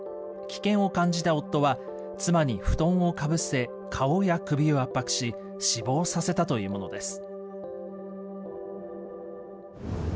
危険を感じた夫は、妻に布団をかぶせ、顔や首を圧迫し、死亡させたというものです。